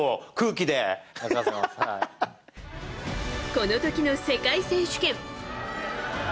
この時の世界選手権。